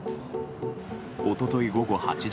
一昨日午後８時